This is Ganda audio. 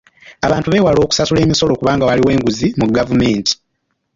Abantu beewala okusasula emisolo kubanga waliwo enguzi mu gavumenti.